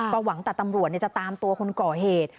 ก็หวังแต่ตำรวจจะตามตัวคนก่อเหตุ